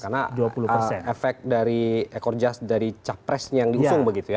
karena efek dari ekor jas dari capres yang diusung begitu ya